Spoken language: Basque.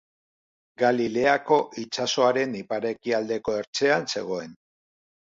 Galileako itsasoaren ipar-ekialdeko ertzean zegoen.